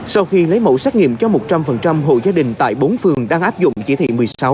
sau khi lấy mẫu xét nghiệm cho một trăm linh hộ gia đình tại bốn phường đang áp dụng chỉ thị một mươi sáu